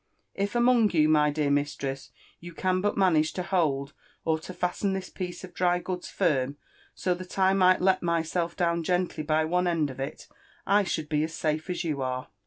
" If among you, my dear mistresses, you can but manage to hold or to fasten this piece of dry goods firm so that I might let myself down gently by one end of it, I should be as safe as you are."